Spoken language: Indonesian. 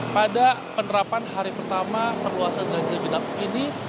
pada penerapan hari pertama perluasan ganjigenap ini